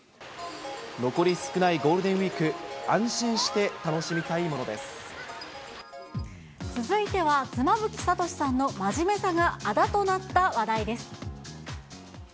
残り少ないゴールデンウィーク、続いては、妻夫木聡さんの真面目さがあだとなった話題です。